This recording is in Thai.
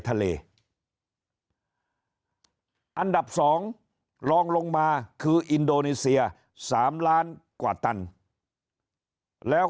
ทะเลอันดับ๒ลองลงมาคืออินโดนีเซีย๓ล้านกว่าตันแล้ว